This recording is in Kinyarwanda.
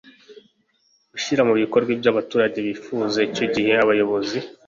gushyira mu bikorwa ibyo abaturage bifuza. icyo gihe abayobozi